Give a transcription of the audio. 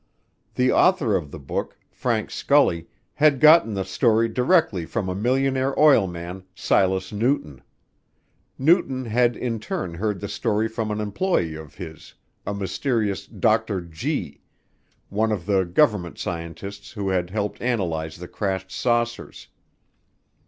The author of the book, Frank Scully, had gotten the story directly from a millionaire oilman, Silas Newton. Newton had in turn heard the story from an employee of his, a mysterious "Dr. Gee," one of the government scientists who had helped analyze the crashed saucers.